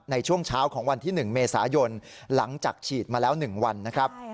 ในช่วงเช้าของวันที่๑เมษายนหลังจากฉีดมาแล้ว๑วันนะครับ